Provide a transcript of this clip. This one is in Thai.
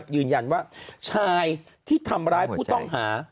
ยืนยันว่าชายที่ทำร้ายผู้ต้องหา